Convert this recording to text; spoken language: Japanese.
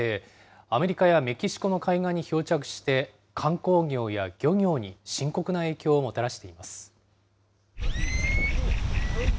アメリカやメキシコの海岸に漂着して、観光業や漁業に深刻な影響をもたらしています。